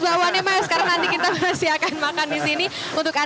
bawahnya mas sekarang nanti kita masih akan makan di sini untuk